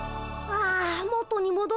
ああ。